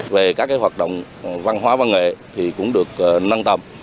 về các hoạt động văn hóa và nghệ thì cũng được năng tầm